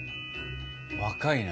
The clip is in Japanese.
若いな。